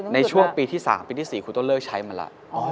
ในช่วงปีที่๓ปีที่๔คุณต้องเลิกใช้มาแล้ว